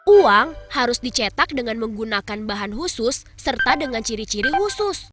uang harus dicetak dengan menggunakan bahan khusus serta dengan ciri ciri khusus